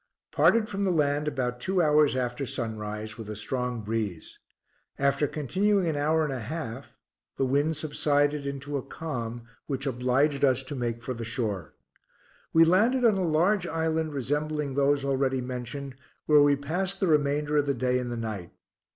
Parted from the land about two hours after sunrise, with a strong breeze. After continuing an hour and a half the wind subsided into a calm, which obliged us to make for the shore. We landed on a large island resembling those already mentioned, where we passed the remainder of the day and the night.